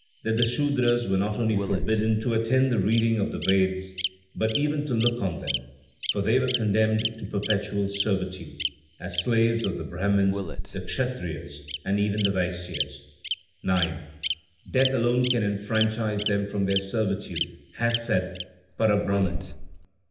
That the Sudras were not only forbidden to attend the reading of the Vedas, but even to look on them; for they were condemned to perpetual servitude, as slaves of the Brahmins, the Kshatriyas and even the Vaisyas. 9. "Death alone can enfranchise them from their servitude," has said Para Brahma.